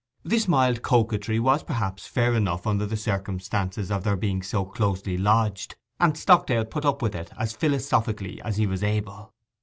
This mild coquetry was perhaps fair enough under the circumstances of their being so closely lodged, and Stockdale put up with it as philosophically as he was able.